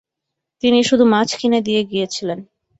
তিনি শুধু মাছ কিনে দিয়ে গিয়েছিলেন।